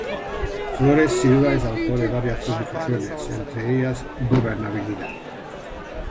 Flores Silva es autor de varias publicaciones, entre ellas “Gobernabilidad.